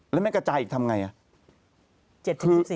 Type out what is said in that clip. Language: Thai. แล้วแม่งกระจายอีกทำอย่างไร